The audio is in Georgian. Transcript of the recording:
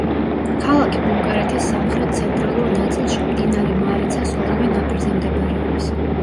ქალაქი ბულგარეთის სამხრეთ-ცენტრალურ ნაწილში, მდინარე მარიცას ორივე ნაპირზე მდებარეობს.